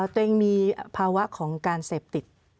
ตัวเองมีภาวะของการเสพติด